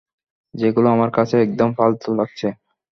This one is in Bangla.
যেগুলো আমার কাছে একদম ফালতু লাগছে।